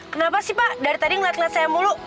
kenapa sih pak dari tadi ngeliat ngeliat saya mulu